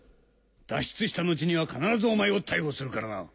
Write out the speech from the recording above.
脱出したのちには必ずお前を逮捕するからな。